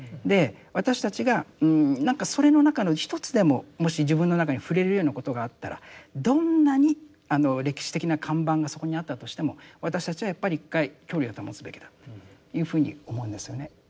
私たちがなんかそれの中の一つでももし自分の中に触れるようなことがあったらどんなに歴史的な看板がそこにあったとしても私たちはやっぱり一回距離を保つべきだというふうに思うんですよね。